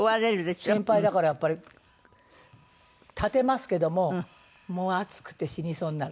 先輩だからやっぱり立てますけどももう暑くて死にそうになる。